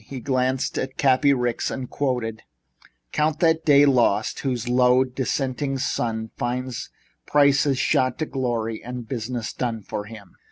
He glanced at Cappy Ricks and quoted: "Count that day lost whose low descending sun Finds prices shot to glory and business done for fun."